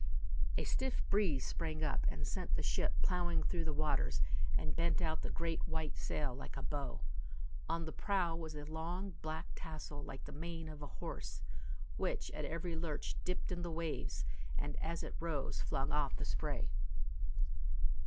A stiff breeze sprang up, and sent the ship plowing through the waters, and bent out the great white sail like a bow. On the prow was a long black tassel like the mane of a horse, which at every lurch dipped in the waves, and as it rose flung off the spray.